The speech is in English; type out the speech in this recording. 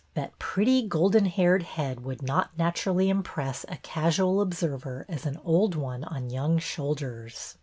That pretty, golden haired head would not naturally impress a casual observer as an old one on young shoulders.